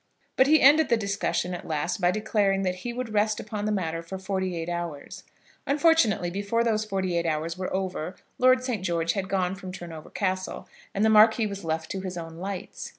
But he ended the discussion at last by declaring that he would rest upon the matter for forty eight hours. Unfortunately before those forty eight hours were over Lord St. George had gone from Turnover Castle, and the Marquis was left to his own lights.